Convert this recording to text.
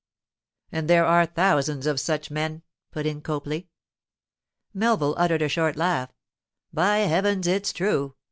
'And there are thousands of such men,' put in Copley. Melville uttered a short laugh. 'By heavens, it's true!